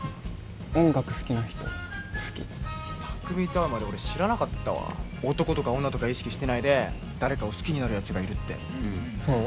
音楽好きな人好き巧と会うまで俺知らなかったわ男とか女とか意識してないで誰かを好きになるやつがいるってそう？